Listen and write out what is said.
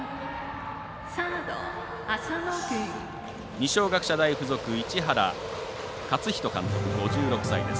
二松学舎大付属、市原勝人監督５６歳です。